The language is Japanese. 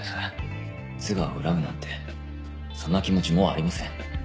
津川を恨むなんてそんな気持ちもうありません。